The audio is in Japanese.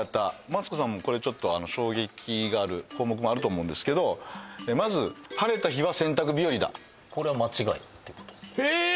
マツコさんもこれちょっとあの衝撃がある項目もあると思うんですけどまずこれは間違いってことですへえ！